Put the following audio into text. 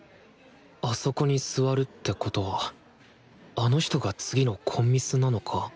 あそこに座るってことはあの人が次のコンミスなのか？